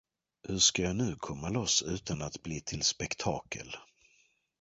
Hur ska jag nu komma loss utan att blir till spektakel.